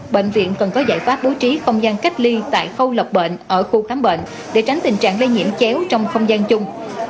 bệnh viện cần có giải pháp bố trí không gian cách ly tại khâu lọc bệnh ở khu khám bệnh để tránh tình trạng lây nhiễm chéo trong không gian chung